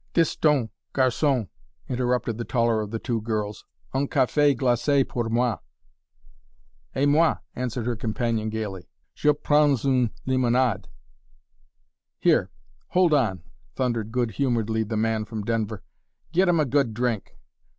"Dis donc, garçon!" interrupted the taller of the two girls, "un café glacé pour moi." "Et moi," answered her companion gayly, "Je prends une limonade!" "Here! Hold on!" thundered good humoredly the man from Denver; "git 'em a good drink.